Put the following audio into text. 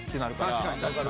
確かに確かに。